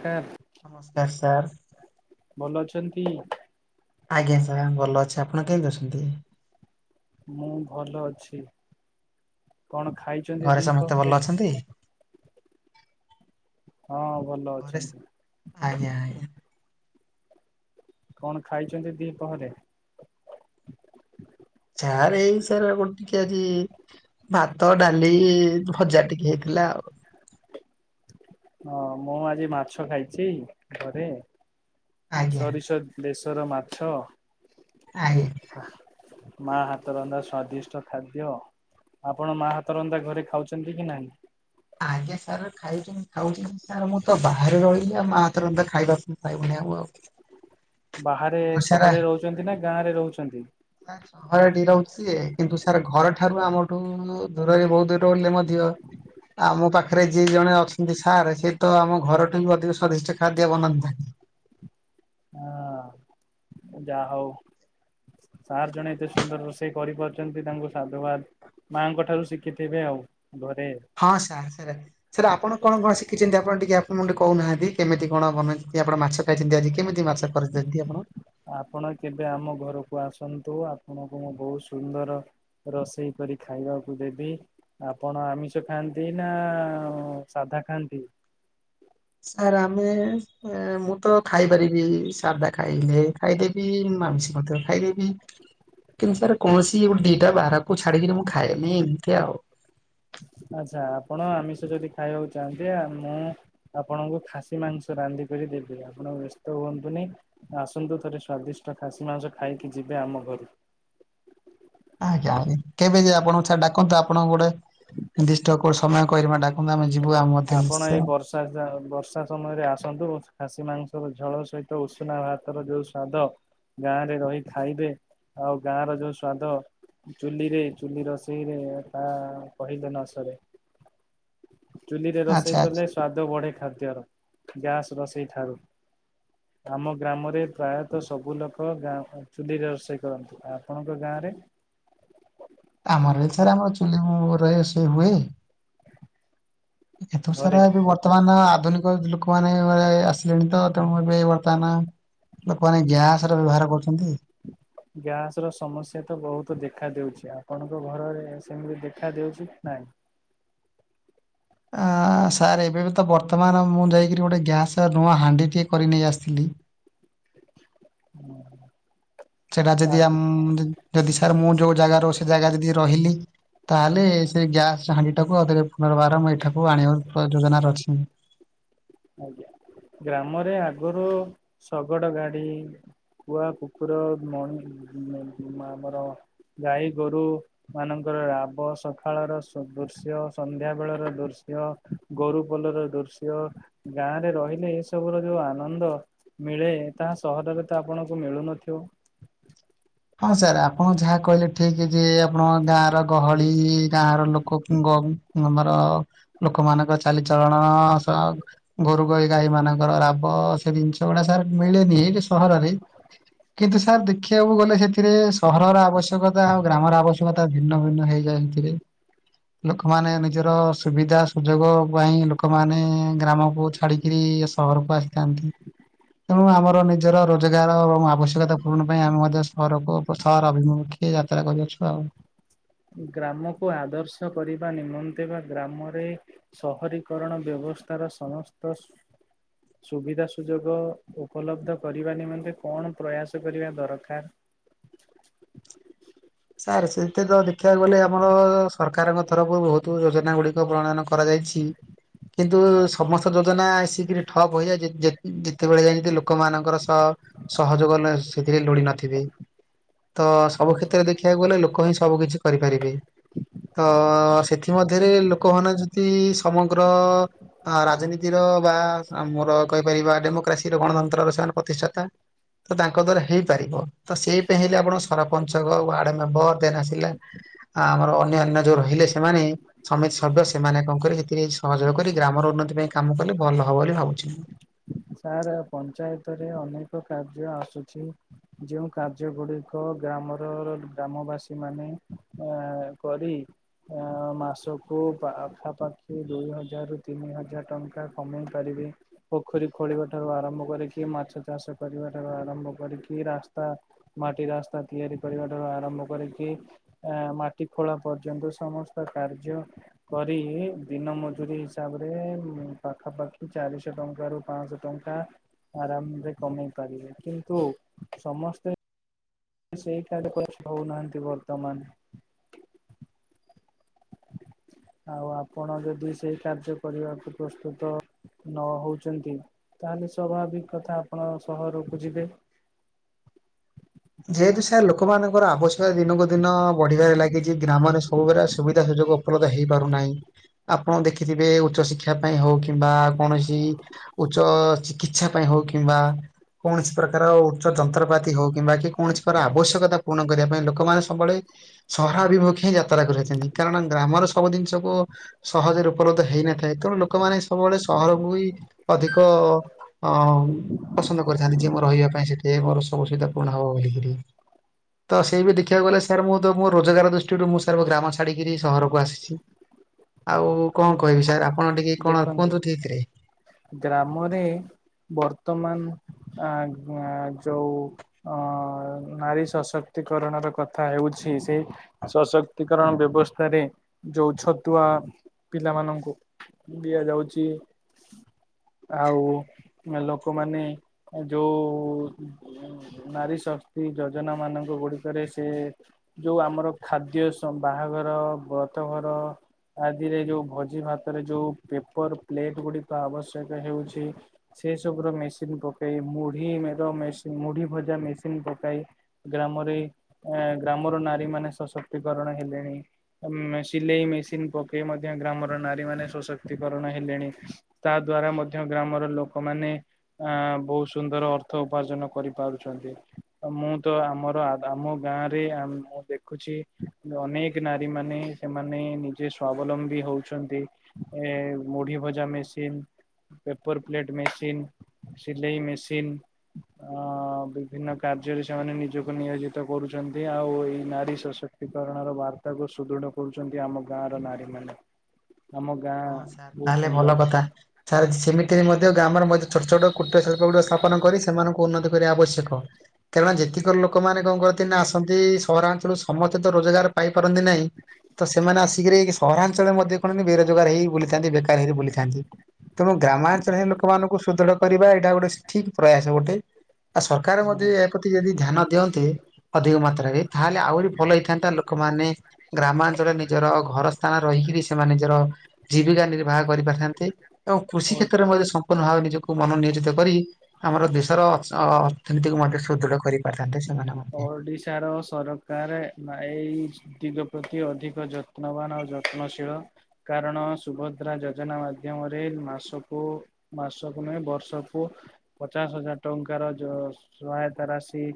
ହୁଁ ନମସ୍କାର, ସାର୍। ଭଲ ଅଛନ୍ତି? ଆଜ୍ଞା ସାର୍ ଭଲ ଅଛି, ଆପଣ କେମିତି ଅଛନ୍ତି? ମୁଁ ଭଲ ଅଛି, କଣ ଖାଇଛନ୍ତି ଘରେ ସମସ୍ତେ ଭଲ ଦିପହରେ? ଅଛନ୍ତି ହଁ, ଭଲ ଘରେ ସ- ଅଛନ୍ତି। ଆଜ୍ଞା ଆଜ୍ଞା। କଣ ଖାଇଛନ୍ତି ଦିପହରେ? ଚାହାରେ ଏଇ ସାର ଗୋଟେ ଟିକେ ଆଜି ଭାତ, ଡାଲି, ଭଜା ଟିକେ ହେଇଥିଲା ଆଉ। ହଁ, ମୁଁ ଆଜି ମାଛ ଖାଇଛି ଘରେ ଆଜ୍ଞା ସୋରିଷ ବେସର ମାଛ, ଆଜ୍ଞା ମାଁ ହାତ ରନ୍ଧା ସ୍ଵାଦିଷ୍ଟ ଖାଦ୍ୟ ଆପଣ ମା ହାତ ରନ୍ଧା ଘରେ ଖାଉଛନ୍ତି କି ନାହିଁ? ଆଜ୍ଞା ସାର୍ ଖାଇଛି ଖାଉଛି କି ସାର୍ ମୁଁ ତ ବାହାରେ ରହିଲି ଆଉ ମାଁ ହାତରନ୍ଧା ଖାଇବାକୁ ପାଇଁବୁନି ଆଉ ଆଉ। ବାହାରେ ସହରରେ ରହୁଛନ୍ତି ନା ଗାଁରେ ରହୁଛନ୍ତି? [unintelligible] ଘରଠି ରହୁଛି ଯେ କିନ୍ତୁ ସାର୍ ଘର ଠାରୁ ଆମଠୁ ଦୂରରେ ବହୁତ ଦୂର ହେଲେ ମଧ୍ୟ ଆମ ପାଖରେ ଯିଏ ଜଣେ ଅଛନ୍ତି ସାର୍ ସିଏ ତ ଆମ ଘରଠୁ ବି ଅଧିକ ସ୍ଵାଦିଷ୍ଟ ଖାଦ୍ୟ ବନାନ୍ତି। ହଁ ଯାହା ହଉ ସାର୍ ଜଣେ ଏତେ ସୁନ୍ଦର ରୋଷେଇ କରିପାରୁଛନ୍ତି ତାଙ୍କୁ ସାଧୁବାଦ। ମାଆଙ୍କ ଠାରୁ ଶିଖିଥିବେ ଆଉ ଘରେ? ହଁ ସାର୍ ସେଟା, ସାର୍ ଆପଣ କଣ କଣ ଶିଖିଛନ୍ତି ଆପଣ ଟିକେ ଆପଣ ମତେ କହୁନାହାନ୍ତି କେମିତି କଣ ବନାନ୍ତି? ଆଜି ଆପଣ ମାଛ ଖାଇଛନ୍ତି, ଆଜି କେମିତି ମାଛ କରିଛନ୍ତି ଆପଣ? ଆପଣ କେବେ ଆମ ଘରକୁ ଆସନ୍ତୁ ଆପଣଙ୍କୁ ମୁଁ ବହୁତ ସୁନ୍ଦର, ରୋଷେଇ କରି ଖାଇବାକୁ ଦେବି। ଆପଣ ଆମିଷ ଖାଆନ୍ତି ନା ସାଧା ଖାଆନ୍ତି? ସାର ଆମେ ଏ ମୁଁ ତ ଖାଇପାରିବି ଶାଧା ଖାଇଲେ ଖାଇଦେବି ମାଛ ମଧ୍ୟ ଖାଇଦେବି, କିନ୍ତୁ ସାର୍ କୌଣସି ଗୋଟେ ଦିଟା ବାହାରକୁ ଛାଡିକିରି ମୁଁ ଖାଏନି ଏମିତି ଆଉ। ଆଚ୍ଛା ଆପଣ ଆମିଷ ଯଦି ଖାଇବାକୁ ଚାହାନ୍ତି ଆ ମୁଁ ଆପଣଙ୍କୁ ଖାସି ମାଂସ ରାନ୍ଧିକରି ଦେବି ଆପଣ ବ୍ୟସ୍ତ ହୁଅନ୍ତୁନି। ଆସନ୍ତୁ ଥରେ ସ୍ଵାଦିଷ୍ଟ ଖାସି ମାଂସ ଖାଇକି ଯିବେ ଆମ ଘରୁ। ଆଜ୍ଞା ଆଜ୍ଞା କେବେ ଯେ ଆପଣଙ୍କୁ ଛା ଡାକନ୍ତ ଆପଣ ଗୋଟେ ନିଦ୍ଧିଷ୍ଟ କୋଉ ସମୟ କରିବା ଡା ଆମେ ଯିବୁ ଗା ଆପଣ ଏଇ ବର୍ଷ ସ ବର୍ଷା ସମୟରେ ଆସନ୍ତୁ ଖାସି ମାଂସର ଝଳ ସହିତ ଉଷୁନା ଭାତର ଯୋଉ ସ୍ଵାଦ। ଗାଁ ରେ ରହି ଖାଇବେ ଆଉ ଗାଁ ର ଯୋଉ ସ୍ଵାଦ ଚୁଲିରେ ଚୁଲି ରୋଷେଇରେ ତା କହିଲେ ନ ସରେ। ଚୁଲିରେ ଆଚ୍ଛା ରୋଷେଇ ଆଚ୍ଛା। କଲେ ସ୍ୱାଦ ବଢ଼େ ଖାଦ୍ୟର ଗ୍ୟାସ୍ ରୋଷେଇଠାରୁ। ଆମ ଗ୍ରାମରେ ପ୍ରାୟତଃ ସବୁ ଲୋକ ଗାଁ ଚୁଲିରେ ରୋଷେଇ କରନ୍ତି ଆପଣଙ୍କ ଗାଁ ରେ ଆମର ଏ ସରେ ଆମର ଚୁଲି [unintelligible] ରହ ସେ ହୁଏ। ଏତ ସାରା ଘରେ ଏବେ ବତ୍ ବର୍ତ୍ତମାନ ଆଧୁନିକ ଲୋକମାନୋନ ଆସିଲେଣି ତ ତେଣୁ ଏବେ ବର୍ତ୍ତମାନ ଲୋକମାନେ ଗ୍ୟାସ ର ବ୍ୟବହାର କରୁଛନ୍ତି। ଗ୍ୟାସ ର ସମସ୍ୟା ତ ବହୁତ ଦେଖା ଦେଉଛି ଆପଣଙ୍କ ଘରରେ ସେମିତି ଦେଖା ଦେଉଛି ନାହିଁ? ଆଁ ସାର୍ ଏବେ ବି ତ ବର୍ତ୍ତମାନ ମୁଁ ଯାଇକରି ଗୋଟେ ଗ୍ୟାସ୍ ନୂଆ ହାଣ୍ଡିଟିିଏ କରି ନେଇ ଆସିଥିଲି। ହୁଁ। ସେଟା ଯଦି ଆମ୍ ଯଦି ସାର୍ ମୁଁ ଯୋଉ ଜାଗା ରହୁ ସେ ଜାଗା ଯଦି ରହିଲି। ତାହେଲେ ସେ ଗ୍ୟାସ୍ ହାଣ୍ଡି ଟାକୁରେ ପୁନର୍ବାରମ୍ ଏଇଠାକୁ ଆଣିବାର ଯୋଜନା ଅଛି। ଆଜ୍ଞା ଗ୍ରାମରେ ଆଗରୁ ଶଗଡ ଗାଡି କୁଆ କୁକୁର ମଇଁ ମଇ ଆମର ଗାଈ ଗୋରୁ ମାନଙ୍କର ରାବ ସକାଳର ସଦୃଶ୍ୟ ସନ୍ଧ୍ୟା ବେଳର ଦୃଶ୍ୟ ଗୋରୁ ପୋଲର ଦୃଶ୍ୟ ଗାଁରେ ରହିଲେ ଏ ସବୁର ଯୋଉ ଆନନ୍ଦ ମିଳେ ତାହା ସହରରେ ତ ଆପଣଙ୍କୁ ମିଳୁନଥିବ। ହଁ ସାର୍ ଆପଣ ଯାହା କହିଲେ ଠିକ ଯେ ଆପଣ ଗାଁ ର ଗହଳି ଗାଁ ର ଲୋକ କି କ ଆମର ଲୋକମାନଙ୍କ ଚାଲିଚଳଣ ସହ ଗୋରୁ ଗଈ ଗାଈ ମାନଙ୍କର ରାବ ସେ ଜିନିଷ ଗୁଡା ସାର୍ ମିଳେନି ଏଇଟି ସହରରେ କିନ୍ତୁ ସାର୍ ଦେଖିବାକୁ ଗଲେ ସେଥିରେ ସହରର ଆବଶ୍ୟକତା ଆଉ ଗ୍ରାମର ଆବଶ୍ୟକତା ଭିନ୍ନ ଭିନ୍ନ ହେଇଯାଏ ଏଥିରେ ଲୋକମାନେ ନିଜର ସୁବିଧା ସୁଯୋଗ ପାଇଁ ଲୋକମାନେ ଗ୍ରାମକୁ ଛାଡିକିରି ସହରକୁ ଆସିଥାନ୍ତି ତେଣୁ ଆମର ନିଜର ରୋଜଗାର ଏବଂ ଆବଶ୍ୟକତା ପୂରଣ ପାଇଁ ଆମେ ମଧ୍ୟ ସ ଘରକୁ ଉପସହର ଅଭିମୁଖେ ଯାତ୍ରା କରିଅଛୁ ଆଉ। ଗ୍ରାମକୁ ଆଦର୍ଶ କରିବା ନିମନ୍ତେ ବା ଗ୍ରାମରେ ସହରୀକରଣ ବ୍ୟବସ୍ଥାର ସମସ୍ତ ସୁବିଧା ସୁଯୋଗ ଉପଲବ୍ଧ କରିବା ନିମନ୍ତେ କଣ ପ୍ରୟାସ କରିବା ଦରକାର? ସାର୍ ସେତେ ତ ଦେଖିବାକୁ ଗଲେ ଆମର ସରକାରଙ୍କ ତରଫରୁ ବହୁତ ଯୋଜନା ଗୁଡିକ ପ୍ରଣୟନ କ ରାଯାଇଛି କି ନ୍ତୁ ସମସ୍ତ ଯୋଜନା ଆସିକରି ଠପ୍ ହେଇଯାଏ ଯେ ଯେ ଯେତେବେଳେ ଯାଇ ଲୋକମାନଙ୍କର ଅ ସହଯୋଗ ସେଥିରେ ଲୋଡି ନଥିବେ ତ ସବୁ ଆଜ୍ଞା। କ୍ଷେତ୍ରରେ ଯ ଦେଖିବାକୁ ଗଲେ ଲୋକ ହିଁ ସବୁ କିିଛି କରିପାରିବେ। ତ ସେଥିମଧରେ ଲୋକମାନେ ଯଦି ସମଗ୍ର ଆ ରାଜନୀତି ତିର ବା ଆମର କହିପାରିବା ଡେମୋକାସି ଗଣତନ୍ତ୍ରର ସେମାନେ ପ୍ରତିଷ୍ଠାତା। ତ ତାଙ୍କ ଦ୍ଵାରା ହେଇପାରିବ ତ ସେଇ ପାଇଁ ହେଲେ ଆପଣଙ୍କ ସରପଞ୍ଚଙ୍କ ୱାର୍ଡ ବ ଆସିଲା। ଆ ଆମର ଅନ୍ୟ ଅନ୍ୟ ଯୋଉ ରହିଲେ ସେମାନେ ସମିତି ସଭ୍ୟ ସେମାନେ କଣ କରିବେ? ଏଥିରେ ସହଯୋଗ କରି ଗ୍ରାମର ଉନ୍ନତି ପାଇଁ କାମ କଲେ ଭଲ ହବ ବୋଲି ଭାବୁଛନ୍ତି। ସାର୍ ପଞ୍ଚାୟତରେ ଅନେକ କାର୍ଯ୍ୟ ଆସୁଛି। ଯେଉଁ କାର୍ଯ୍ୟ ଗୁଡିକ ଗ୍ରାମର ଗ୍ରାମବାସୀ ମାନେ ଅ କରି ଅଁ, ମାସକୁ ପା ପାଖାପାଖି ଦୁଇ ହଜାରରୁ ତିନି ହଜାର ଟଙ୍କା କମେଇ ପାରିବି। ପୋଖରୀ ଖୋଳିବା ଠୁ ଆରମ୍ଭ କରିକି, ମାଛ ଚାଷ କରିବା ଠାରୁ ଆରମ୍ଭ କରିକି ରାସ୍ତା ମାଟି ରାସ୍ତା ତିଆରି କରିବାଠୁ ଆରମ୍ଭ କରିକି ଅଁ ମାଟି ଖୋଳା ପର୍ଯ୍ୟନ୍ତ ସମସ୍ତ କାର୍ଯ୍ୟ କରି ଦିନ ମଜୁରି ହିସାବରେ ପାଖାପାଖି ଚାରିଶହ ଟଙ୍କ ର ପାଞ୍ଚଶହ ଟଙ୍କା ଆରାମରେ କମେଇ ପାରିବେ। କିନ୍ତୁ ସମସ୍ତେ ସେଇଠାରେ ପଛ ହଉନାହାନ୍ତି ବର୍ତ୍ତମାନ। ଆଉ ଆପଣ ଯଦି ସେଇ କାର୍ଯ୍ୟ କରିବାକୁ ପ୍ରସ୍ତୁତ ନ ହଉଛନ୍ତି, ତାହାଲେ ସ୍ଵଭାବିକ କଥା ଆପଣ ସହରକୁ ଯିବେ। ଯେହେତୁ ସାର୍ ଲୋକମାନଙ୍କର ଆବଶ୍ୟକତା ଦିନକୁ ଦିନ ବଢିବାରେ ଲାଗିଛି, ଗ୍ରାମରେ ସବୁବେଳେ ସୁବିଧା ସୁଯୋଗ ଉପଲବ୍ଧ ହେଇପାରୁନାହିଁ। ଆପଣ ଦେଖିଥିବେ ଉଚ୍ଚ ଶିକ୍ଷା ପାଇଁ ହଉ କିମ୍ବା କୌଣସି ଉଚ୍ଚ ଚିକିତ୍ସା ପାଇଁ ହଉ କିମ୍ବା କୌଣସି ପ୍ରକାର ଉଚ୍ଚ ଯନ୍ତ୍ରପାତି ହଉ କିମ୍ବା କି କୌଣସି କର ଆବଶ୍ୟକତା ପୂରଣ କରିବା ପାଇଁ ଲୋକମାନେ ସବୁବେଳେ ସହରା ଅଭିମୁଖେ ହିଁ ଯାତ୍ରା କରିଚନ୍ତି। କାରଣ ଗ୍ରାମର ସବୁ ଜିନିଷକୁ ସହଜରେ ଉପଲବ୍ଧ ହେଇନଥାଏ। ତେଣୁ ଲୋକମାନେ ସବୁବେଳେ ସହରକୁ ବି ଅଧିକ ଅ ପସନ୍ଦ କରିଥାନ୍ତି। ଯିଏ ମୋର ରହିବା ପାଇଁ ସେଠି ମୋର ସବୁ ସୁବିଧା ପୂରଣ ହବ ବୋଲିକିରି। ତ ସେଇ ବି ଦେଖିବାକୁ ଗଲେ ସାର୍, ମୁଁ ତ ମୋ ରୋଜଗାର ଦୃଷ୍ଟିରୁ ମୁଁ ସାର୍ ଗ୍ରାମ ଛାଡ଼ିକିରି ସହରକୁ ଆସିଛି। ହ ଆଉ କଣ କହିବି ସାର୍, ଆପଣ ଟିକେ କଣ ଦେଖନ୍ତୁ କୁହନ୍ତୁ ଠିକରେ। ଗ୍ରାମରେ ବର୍ତ୍ତମାନ ଆ-ଆଁ ଯୋଉ ଅ-ଅ ନାରୀ ସଶକ୍ତିକରଣର କଥା ହେଉଛି ସେ ସଶକ୍ତିକରଣ ବ୍ୟବସ୍ଥାରେ ଯୋଉ ଛତୁଆ ପିଲାମାନଙ୍କୁ ଦିଆଯାଉଚି। ଆଉ ଏ ଲୋକମାନେ ଯୋଉ-ଉ ନାରୀଶକ୍ତି ଯୋଜନା ମାନଙ୍କ ଗୁଡିକରେ ସେ ଯୋଉ ଆମର ଖାଦ୍ୟ ସମ୍ ବାହାଘର, ବ୍ରତ ଘର ଆଦିରେ ଯୋଉ ଭୋଜି ଭାତରେ ଯୋଉ ପେପର ପ୍ଲେଟ ଗୁଡିକ ଆବଶ୍ୟକ ହେଉଛି ସେ ସବୁର ମେସିନ ପକେଇ, ମୁଢି ମେଡ ମେସିନ୍, ମୁଢି ଭଜା ମେସିନ ପକାଇ ଗ୍ରାମରେ ଏଁ ଗ୍ରାମର ନାରୀ ମାନେ ସଶକ୍ତିକରଣ ହେଲେଣି। ମେ ଶିଲେଇ ମେସିନ୍ ପକେଇ ମ ଧ୍ୟ ଗ୍ରାମର ନାରୀ ମାନେ ସଶକ୍ତିକରଣ ହେଲେଣି। ତା ଦ୍ଵାରା ମଧ୍ୟ ଗ୍ରାମର ଲୋକମାନେ ଆଁ ବୋହୁତ ସୁନ୍ଦର ଅର୍ଥ ଉପାର୍ଜନ କରିପାରୁଛନ୍ତି। ମୁଁ ତ ଆମର ଆ ଆମ ଗାଁରେ ଆମ୍ ମୁଁ ଦେଖୁଛି ଅନେକ ନାରୀ ମାନେ ସେମାନେ ନିଜେ ସ୍ଵାବଲମ୍ବ ବି ହଉଛନ୍ତି। ଏ ମୁଢି ଭଜା ମେସିନ, ପେପର ପ୍ଲେଟ ମେସିନ ସିଲେଇ ମେସିନ୍, ଅ ବିଭିନ୍ନ କାର୍ଯ୍ୟରେ ସେମାନେ ନିଜକୁ ନିୟୋଜିତ କରୁଛନ୍ତି। ଆଉ ଏଇ ନାରୀ ସଶ ତିକରଣର ବାର୍ତ୍ତାକୁ ସୁଦୃଢ଼ କରୁଛନ୍ତି ଆମ ଗାଁର ନାରୀମାନେ। ଆମ ଗାଁ ହଁ ସାର୍, ବହୁତ ତାହେଲେ ସୁନ୍ଦର ଭଲ କଥା। ସାରେ ସେମିତିରେ ମଧ୍ୟ ଗ୍ରାମର ମଧ୍ୟ ଛୋଟ ଛୋଟ କୁଟ୍ର ଶିଳ୍ପ ଗୁଡିକ ସ୍ଥାପନ କରି ସେମାନଙ୍କୁ ଉନ୍ନତି କରିବା ଆବଶ୍ୟକ। କାରଣ ଯେତିକ ଲୋକମାନେ କଣ କରନ୍ତି ନା ଆସନ୍ତି-ଇ ସହରାଞ୍ଚଳରୁ ସମସ୍ତେ ତ ରୋଜଗାର ପାଇପାରନ୍ତି ନାହିଁ ତ ସେମାନେ ଆସିକିରି ସହରାଞ୍ଚଳରେ ମଧ୍ୟ କଣ ବେରୋ ଜୋଗାର ହେଇ ବୁଲିଥାନ୍ତି, ବେକାର ହେଇ ବୁଲିଥାନ୍ତି। ତେଣୁ ଗ୍ରାମାଞ୍ଚଳରେ ଲୋକମାନଙ୍କୁ ସୁଦୃଢ କରିବା ଏଇଟା ଗୋଟେ ସି ଠିକ ପ୍ରୟାସ ଗୋଟେ। ଆଉ ସରକାର ମଧ୍ୟ ଏହା ପ୍ରତି ଯଦି ଧ୍ୟାନ ଦିଅନ୍ତେ ଅଧିକ ମାତ୍ରାରେ। ତାହେଲେ ଆହୁରି ଭଲ ହେଇଥାନ୍ତା ଲୋକମାନେ। ଗ୍ରାମାଞ୍ଚଳରେ ନିଜର ଘର ସ୍ଥାନ ରହିକିରି ସେମାନେ ନିଜର ଜୀବିକା ନିର୍ବାହ କରି ପାରିଥାନ୍ତେ। ଏବଂ କୃଷି ଓ କ୍ଷେତ୍ରରେ ମଧ୍ୟ ସମ୍ପୂର୍ଣ୍ଣ ଭାବେ ନିଜକୁ ମନ ନିୟୋଜିତ କରି। ଆମର ଦେଶର ଅକ୍ସ ଅ ଅର୍ଥନୀତିକୁ ମଧ୍ୟ ସୁଦୃଢ କରିପାରିଥାନ୍ତେ। ସେମାନେ ମଧ୍ୟ। ଓଡିଶାର ସରକାରେ ନା ଏଇ। ଦିଗ ପ୍ରତି ଅଧିକ ଯତ୍ନବାନ ଆଉ ଯତ୍ନଶୀଳ। କାରଣ ସୁଭଦ୍ରା ଯୋଜନା ମାଧ୍ୟମରେ ମାସକୁ। ମାସକୁ ନୁହେଁ ବର୍ଷକୁ ପଚାଶ ହଜାର ଟଙ୍କାର ଯୋ ସହାୟତା ରାଶି।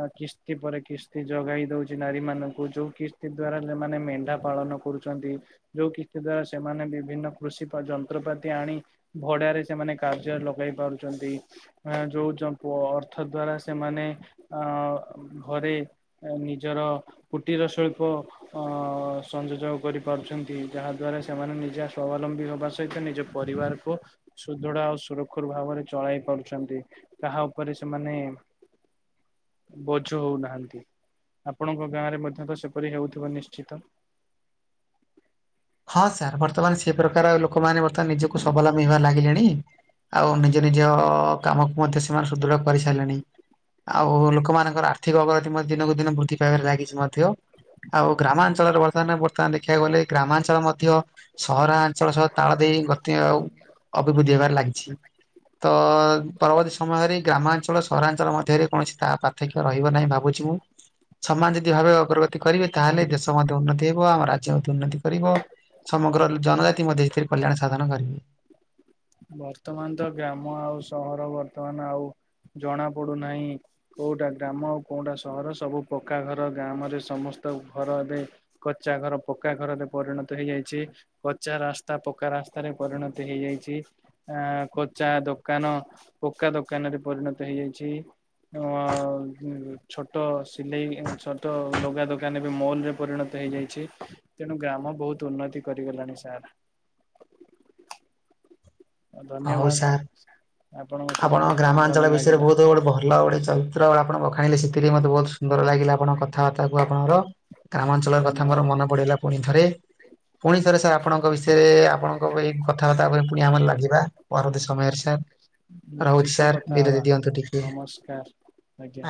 ଅ କିସ୍ତି ପରେ କିସ୍ତି ଯୋଗାଇ ଦଉଛି ନାରୀ ମାନଙ୍କୁ ଯୋଉ କିସ୍ତି ଦ୍ଵାରା ସେମାନେ ମେଣ୍ଢା ପାଳନ କରୁ ଚନ୍ତି ଯୋଉ କିସ୍ତି ଦ୍ଵାରା ସେମାନେ ବିଭିନ୍ନ କୃଷି ପା ଯନ୍ତ୍ରପାତି ଆଣି। ଭଡାରେ ସେମାନେ କାର୍ଯ୍ୟରେ ଲଗାଇ ପାରୁଚନ୍ତି। ଆ ଯୋଉ ଯମ୍ପୁ ଅର୍ଥ ଦ୍ଵାରା ସେମାନେ ଆ ଘରେ। ଏ ନିଜର କୁଟୀର ଶିଳ୍ପ। ଅ ସଂଯଜୋଗ କରିପାରୁଛନ୍ତି ଯାହା ଦ୍ଵାରା ସେମାନେ ନିଜେ ସ୍ୱାବଲମ୍ବୀ ହବା ସହିତ ନିଜ ପରିବାରକୁ। ସୁଦୃଢ ଆଉ ସୁରୁଖୁରୁ ଭାବରେ ଚଳାଇ ପାରୁଛନ୍ତି, କାହା ଉପରେ ସେମାନେ। ବୋଝ ହଉନାହାନ୍ତି ଆପଣଙ୍କ ଗାଁରେ ମଧ୍ୟ ତ ସେପରି ହେଉଥିବ ନିଶ୍ଚିତ। ହଁ ସାର୍ ବର୍ତ୍ତମାନ ସେ ପ୍ରକାର ଲୋକମାନେ ବର୍ତ୍ତମାନ ନିଜକୁ ସ୍ୱାବଲମ୍ବୀ ହେବାରେ ଲାଗିଲେଣି। ଆଉ ନିଜ ନିଜ କାମକୁ ମଧ୍ୟ ସେମାନେ ସୁଦୃଢ କରିସାରିଲେଣି। ଆଉ ଲୋକମାନଙ୍କର ଆର୍ଥିକ ଅଗଗତି ମଧ୍ୟ ଦିନକୁ ଦିନ ବୃଦ୍ଧି ପାଇବାରେ ଲାଗିଛି ମଧ୍ୟ। ଆଉ ଗ୍ରାମାଞ୍ଚଳରେ ବର୍ତ୍ତମାନ ବର୍ତ୍ତମାନ ଦେଖିବାକୁ ଗଲେ ଗ୍ରାମାଞ୍ଚଳ ମଧ୍ୟ। ସହରାଆଞ୍ଚଳ ସହ ତାଳ ଦେଇ ଗତି ଆଉ ଅଭିବୃଦ୍ଧି ହେବାରେ ଲାଗିଛି। ତ ପରବର୍ତ୍ତୀ ସମୟରେ ଗ୍ରାମାଞ୍ଚଳ ସହରାଞ୍ଚଳ ମଧ୍ୟରେ କୌଣସି ତା ପାର୍ଥକ୍ୟ ରହିବ ନାହିଁ ଭାବୁଛି ମୁଁ। ସମାନ ଯଦି ଭାବେ ଅଗ୍ରଗତି କରିବେ ତାହେଲେ ଦେଶ ମଧ୍ୟ ଉନ୍ନତି ହେବ ଆମ ରାଜ୍ୟ ମଧ୍ୟ ଉନ୍ନତି। କରିବ ସମଗ୍ର ଜନଜାତି ମଧ୍ୟ ସେଥିରେ କଲ୍ୟାଣ ସାଧନ କରିବେ। ବର୍ତ୍ତମାନ ତ ଗ୍ରାମ ଆଉ ସହର ବର୍ତ୍ତମାନ ଆଉ ଜଣା ପଡୁନାହିଁ। କୋଉଟା ଗ୍ରାମ ଆଉ କୋଉଟା ସହର ସବୁ ପକ୍କା ଘର ଗ୍ରାମରେ ସମସ୍ତ ଘର ଏବେ। କଚା ଘର ପକ୍କା ଘରରେ ପରିଣତ ହେଇଯାଇଛି। ପଚା ରାସ୍ତା ପକ୍କା ରାସ୍ତାରେ ପରିଣତ ହେଇଯାଇଛି। ଆ କଚା ଦୋକାନ ପକ୍କା ଦୋକାନରେ ପରିଣତ ହେଇଯାଇଛି। ହଁ ଛୋଟ ସିଲେଇ ଛୋଟ ଲୁଗା ଦୋକାନ ବି ମଲ୍ ରେ ପରିଣତ ହେଇ ଯାଇ ଛି ତେଣୁ ଗ୍ରାମ ବହୁତ ଉନ୍ନତି କରିଗଲାଣି ସାର୍। ହଉ ଧନ୍ୟବାଦ। ସାର୍ ଆପଣଙ୍କ ସହିତ ଆପଣ କଥା ହେଇ ଭଲ ଗ୍ରାମାଞ୍ଚଳ ବିଷୟରେ ଲାଗିଲା ବହୁତ ଗୋଟେ ଭଲ ଗୋଟେ ଚ ରିତ୍ର ଆପଣ ବଖାଣିଲେ, ସେଥିରେ ବହୁତ ସୁନ୍ଦର ଲାଗିଲା ଆପଣଙ୍କ କଥାବାର୍ତ୍ତାରୁ ଆପଣଙ୍କର। ଗ୍ରାମାଞ୍ଚଳର କଥା ମୋର ଧନ୍ୟବାଦ ମନ ପଡ଼ିଲା ପୁଣି ଥରେ। ପୁଣି ଥରେ ସାର୍ ଆପଣଙ୍କ ବିଷୟରେ, ଆପଣଙ୍କ ଭଳି କଥାବାର୍ତ୍ତା ଉପରେ ପୁଣି ଆମର ଲାଗିବା। ପରଦ ସମୟରେ ସାର୍, ରହୁଛି ନିଶ୍ଚିତ ସାର୍, କଥା ହେବା ବିରତି ଦିଅନ୍ତୁ ଟିକେ। ନମସ୍କାର ଆଜ୍ଞା।